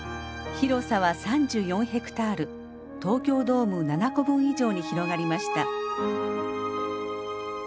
広さは３４ヘクタール東京ドーム７個分以上に広がりました。